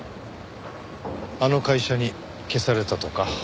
あの会社に消されたとか？